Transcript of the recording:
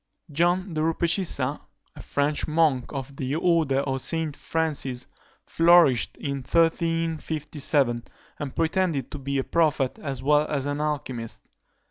John de Rupecissa, a French monk of the order of St. Francis, flourished in 1357, and pretended to be a prophet as well as an alchymist.